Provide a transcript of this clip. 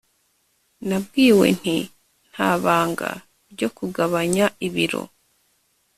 Nabwiwe nti Nta banga ryo kugabanya ibiro